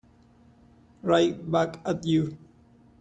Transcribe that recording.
Right back at you.